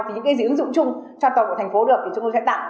thì những cái gì ứng dụng chung cho toàn bộ thành phố được thì chúng tôi sẽ tặng